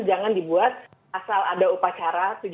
jangan dibuat asal ada upacara